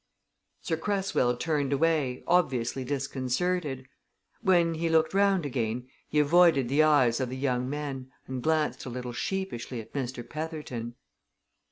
Sir Cresswell turned away, obviously disconcerted; when he looked round again, he avoided the eyes of the young men and glanced a little sheepishly at Mr. Petherton.